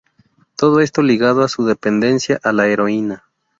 Todo esto ligado a su dependencia a la heroína.